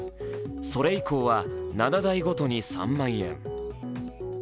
それ以降は７代ごとに３万円。